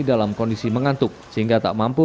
dalam kondisi mengantuk sehingga tak mampu